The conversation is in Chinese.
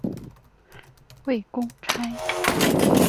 未公开